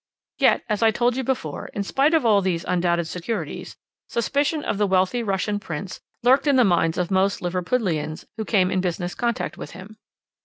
"Yet, as I told you before, in spite of all these undoubted securities, suspicion of the wealthy Russian Prince lurked in the minds of most Liverpudlians who came in business contact with him.